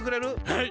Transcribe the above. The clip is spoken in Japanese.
はい。